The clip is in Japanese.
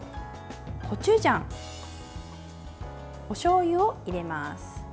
コチュジャン、おしょうゆを入れます。